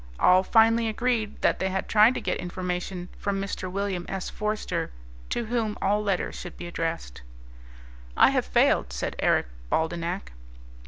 All finally agreed that they had tried to get information from Mr. William S. Forster, to whom all letters should be addressed. "I have failed," said Eric Baldenak.